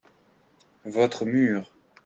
votre mur.